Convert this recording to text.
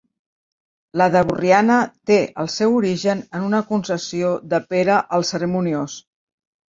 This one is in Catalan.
La de Borriana té el seu origen en una concessió de Pere el Cerimoniós.